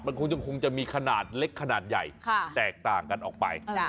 มันคงจะมีขนาดเล็กขนาดใหญ่แตกต่างกันออกไป